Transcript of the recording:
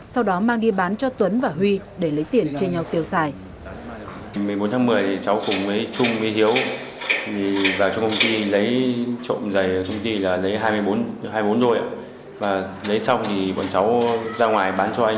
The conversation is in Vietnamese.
sau đó mang đi bán cho tuấn và huy để lấy tiền chia nhau tiêu xài